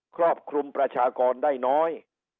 ครอบคลุมประชากรได้น้อย